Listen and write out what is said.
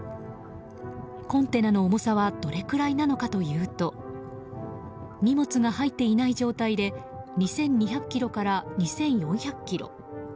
コンテナの重さはどれくらいなのかというと荷物が入っていない状態で２２００ｋｇから２４００ｋｇ。